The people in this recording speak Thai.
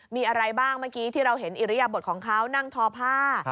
มีอะไรบ้างเมื่อกี้ที่เราเห็นอิริยบทของเขานั่งทอผ้า